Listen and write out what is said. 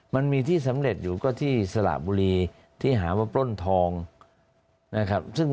มันมีที่สำเร็จอยู่ก็ที่สระบุรีที่หาว่าปล้นทองนะครับ